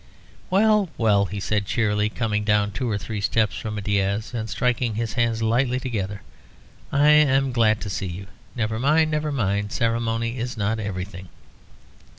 "Well, well," he said, cheerily coming down two or three steps from a daïs, and striking his hands lightly together, "I am glad to see you. Never mind, never mind. Ceremony is not everything."